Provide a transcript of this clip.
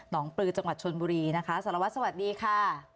ปลือจังหวัดชนบุรีนะคะสารวัตรสวัสดีค่ะ